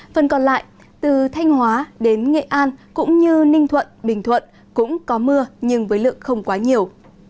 phần còn lại từ thanh hóa đến nghệ an cũng như ninh thuận bình thuận cũng có mưa nhưng với lượng không quá nhiều